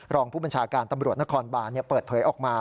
รองผู้บัญชาการตำรวจนครบานเปิดเผยออกมา